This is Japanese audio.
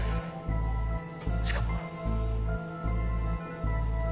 しかも。